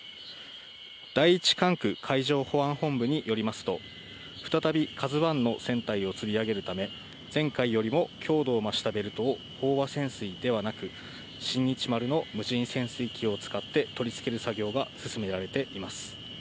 第１管区海上保安本部によりますと、再びＫＡＺＵＩの船体をつり上げるため、前回よりも強度を増したベルトを飽和潜水ではなく、新日丸の無人潜水機を使って、取り付ける作業が進められています。